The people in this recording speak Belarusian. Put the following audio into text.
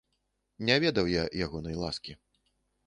Не ведаў я ягонай ласкі.